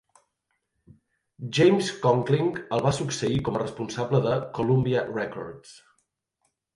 James Conkling el va succeir com a responsable de Columbia Records.